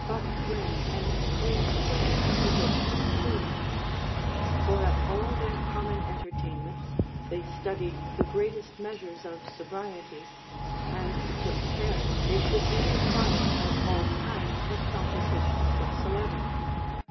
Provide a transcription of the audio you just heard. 85 but when an extreme thirst provoked them to it ; for at all their common entertainments they studied the greatest measures of sobriety, and took care they should be de prived of all kinds of compotations whatsoever.